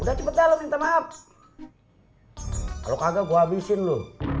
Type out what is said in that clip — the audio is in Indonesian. udah cepet dalam minta maaf kalau kagak gue habisin loh